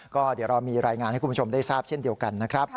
ก็เดี๋ยวเรามีรายงานให้คุณผู้ชมได้ทราบเช่นเดียวกันนะครับ